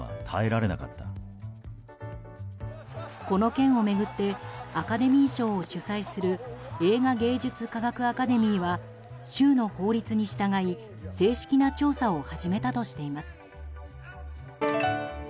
この件を巡ってアカデミー賞を主催する映画芸術科学アカデミーは州の法律に従い正式な調査を始めたとしています。